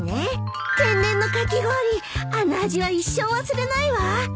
天然のかき氷あの味は一生忘れないわ。